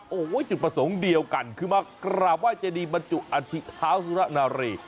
โอ้โหจุดประสงค์เดียวกันคือมากราบไห้เจดีบรรจุอธิเท้าสุรนารี